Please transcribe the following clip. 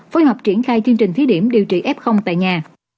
phối hợp triển khai chương trình thí điểm điều trị f tại nhà